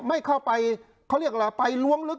ไม่เข้าไปเขาเรียกอะไรไปล้วงลึก